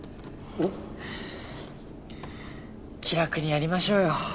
気楽にやりましょうよ。